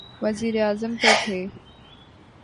وزیراعظم تو تھے۔